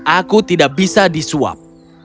aku tidak bisa disuap